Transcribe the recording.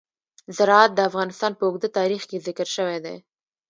زراعت د افغانستان په اوږده تاریخ کې ذکر شوی دی.